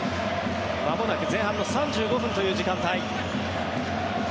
まもなく前半の３５分という時間帯。